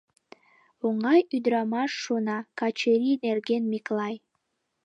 «Оҥай ӱдрамаш, — шона Качырий нерген Миклай.